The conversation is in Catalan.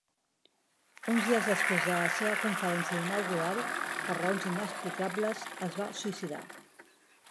Uns dies després de la seva conferència inaugural, per raons inexplicables, es va suïcidar.